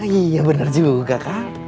iya benar juga kang